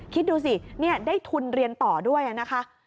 คิดดูสิได้ทุนเรียนต่อด้วยนะคะ